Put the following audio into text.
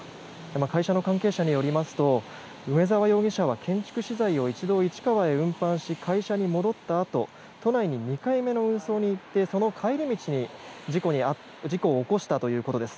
会社の関係者によりますと梅沢容疑者は建築資材を一度、市川へ運搬し会社へ戻ったあと都内に２回目の運送に行ってその帰り道に事故を起こしたということです。